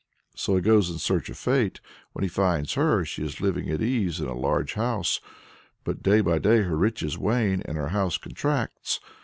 So he goes in search of Fate. When he finds her, she is living at ease in a large house, but day by day her riches wane and her house contracts.